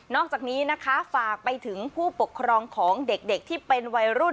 อกจากนี้นะคะฝากไปถึงผู้ปกครองของเด็กที่เป็นวัยรุ่น